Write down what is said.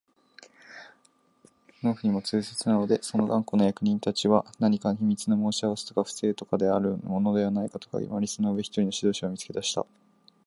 農夫にも痛切なので、その頑固な役人たちは何か秘密の申し合せとか不正とかでもあるのではないかとかぎ廻り、その上、一人の指導者を見つけ出した